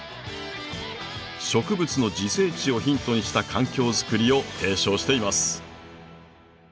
植物の自生地をヒントにした環境づくりを提唱しています。